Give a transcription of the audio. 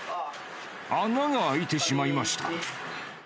穴が開いてしまいました。